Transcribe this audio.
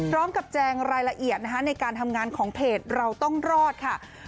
ร้องกับแจงรายละเอียดในการทำงานของเพจเราต้องรอดค่ะ